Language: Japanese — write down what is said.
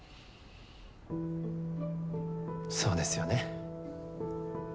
そうですよね。